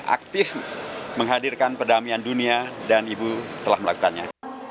aktif menghadirkan perdamaian dunia dan ibu telah melakukannya